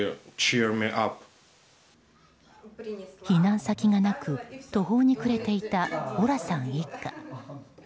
避難先がなく途方に暮れていたオラさん一家。